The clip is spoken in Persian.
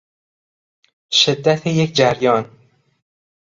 شدت یک جریان